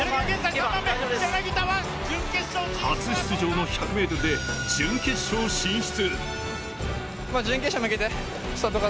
初出場の１００ｍで準決勝進出。